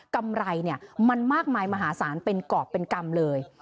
กำไรมันมากมายมหาศาลเป็นกรอบเป็นกรรมเลย